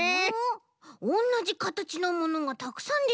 おんなじかたちのものがたくさんでてきたけど。